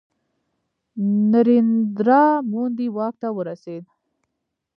نریندرا مودي واک ته ورسید.